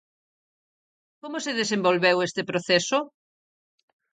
Como se desenvolveu este proceso?